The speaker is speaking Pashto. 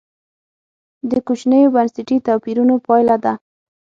د کوچنیو بنسټي توپیرونو پایله ده.